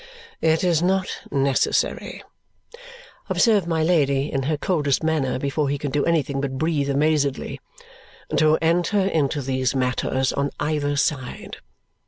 "It is not necessary," observes my Lady in her coldest manner before he can do anything but breathe amazedly, "to enter into these matters on either side.